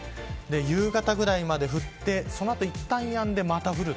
夕方ぐらいまで降ってその後、一度やんでまた降る。